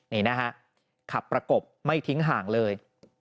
นี่นะฮะขับประกบไม่ทิ้งห่างเลย